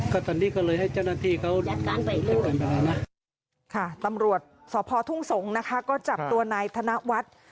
ค่ะตำรวจสพทุ่งสงฆ์นะคะก็จับตัวนายธนวัฒน์